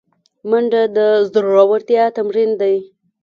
منډه د زړورتیا تمرین دی